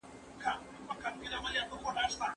د خپلو فاميلي معيارونو او شرطونو سره پرتله کول